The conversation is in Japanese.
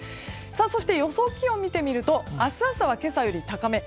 そして、予想気温を見てみると明日朝は今朝より高め。